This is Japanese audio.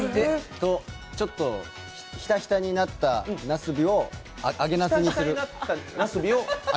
ひたひたになったなすびを揚げなすにする。